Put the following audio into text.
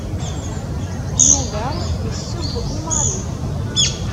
Yuba yesseww i Mary.